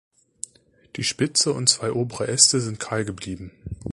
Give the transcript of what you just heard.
Die Spitze und zwei obere Äste sind kahl geblieben.